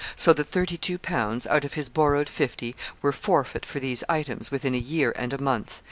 So that thirty two pounds, out of his borrowed fifty, were forfeit for these items within a year and a month.